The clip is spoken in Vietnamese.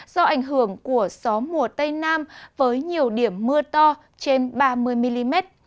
do ảnh hưởng của gió mùa tây nam với nhiều điểm mưa to trên ba mươi mm